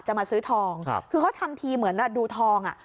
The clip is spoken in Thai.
จะมาซื้อทองครับคือเขาทำทีเหมือนล่ะดูทองอ่ะ